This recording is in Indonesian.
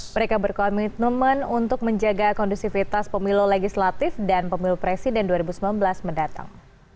mereka berkomitmen untuk menjaga kondusivitas pemilu legislatif dan pemilu presiden dua ribu sembilan belas mendatang